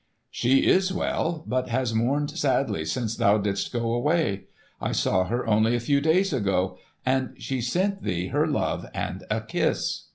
"She is well, but has mourned sadly since thou didst go away. I saw her only a few days ago, and she sent thee her love and a kiss."